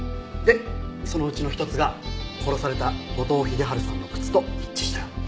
でそのうちの一つが殺された後藤秀春さんの靴と一致したよ。